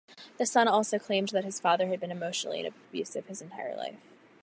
The son also claimed that his father had been emotionally abusive his entire life.